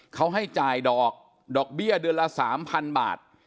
เขาให้จ่ายดอกดอกเบี้ยเดือนละ๓๐๐๐บาท